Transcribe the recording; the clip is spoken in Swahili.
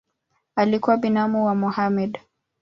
Alikuwa binamu wa Mohamed.